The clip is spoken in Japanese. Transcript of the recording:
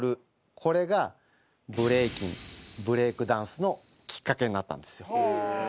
これがブレイキンブレイクダンスのきっかけになったんですよ。